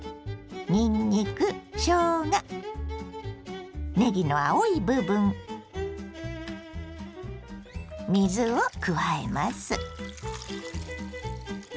にんにくしょうがねぎの青い部分水を加えます。